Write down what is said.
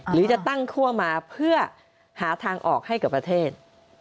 หรือจะตั้งคั่วมาเพื่อหาทางออกให้กับประเทศ